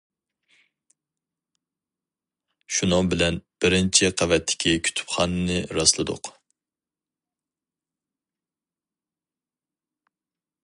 شۇنىڭ بىلەن بىرىنچى قەۋەتتىكى كۇتۇپخانىنى راسلىدۇق.